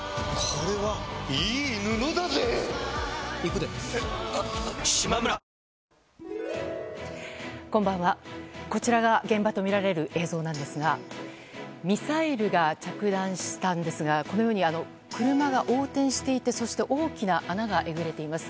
こちらが現場とみられる映像なんですがミサイルが着弾したんですが車が横転していてそして大きな穴がえぐれています。